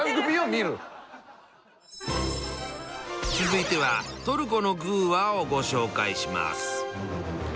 続いてはトルコの「グぅ！話」をご紹介します。